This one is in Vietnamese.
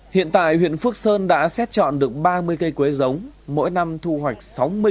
hiện tại huyện phước sơn đã xét chọn được ba mươi cây quế giống mỗi năm thu hoạch sáu mươi kg hạt giống để trồng sáu mươi cây quế con